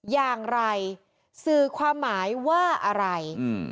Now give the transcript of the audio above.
อย่างไรสื่อความหมายว่าอะไร